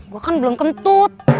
gue kan belum kentut